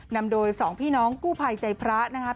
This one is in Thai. นำโดย๒พี่น้องกู้ภัยใจพระนะครับ